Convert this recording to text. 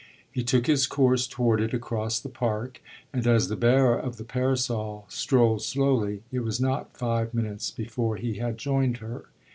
He took his course toward it across the park, and as the bearer of the parasol strolled slowly it was not five minutes before he had joined her.